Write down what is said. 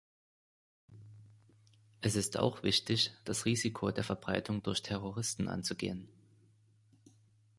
Es ist auch wichtig, das Risiko der Verbreitung durch Terroristen anzugehen.